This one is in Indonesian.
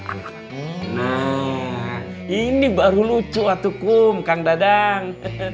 nah ini baru lucu atukum kang dadang